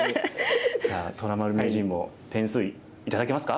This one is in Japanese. じゃあ虎丸名人も点数頂けますか？